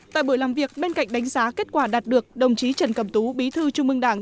tại buổi làm việc bên cạnh đánh giá kết quả đạt được đồng chí trần cẩm tú bí thư trung mương đảng